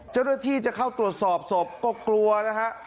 เจ้าหน้าที่จะเข้าตรวจสอบศพก็กลัวนะฮะ